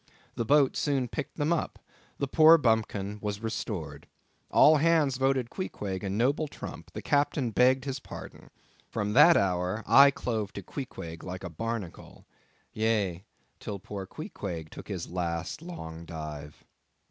The boat soon picked them up. The poor bumpkin was restored. All hands voted Queequeg a noble trump; the captain begged his pardon. From that hour I clove to Queequeg like a barnacle; yea, till poor Queequeg took his last long dive.